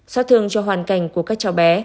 so thương cho hoàn cảnh của các cháu bé